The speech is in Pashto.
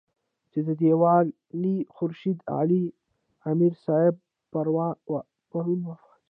چې د دېولۍ خورشېد علي امير صېب پرون وفات شۀ